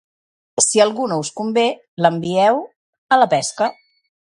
Si algú no us convé, l'envieu... a la pesca.